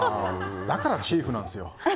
だからチーフなんですよ。